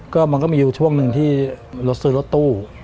ก็มันก็มีอยู่ช่วงหนึ่งที่รถซื้อรถตู้